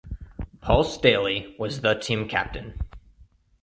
Paul Staley was the team captain.